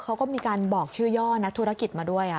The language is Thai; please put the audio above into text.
เขาก็มีการบอกชื่อย่อนักธุรกิจมาด้วย